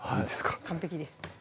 完璧です